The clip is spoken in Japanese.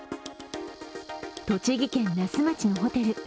栃木県那須町のホテル。